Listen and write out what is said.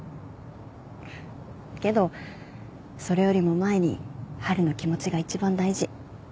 けどそれよりも前に春の気持ちが一番大事。